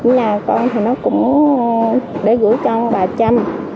nhà con cũng để gửi cho bà trâm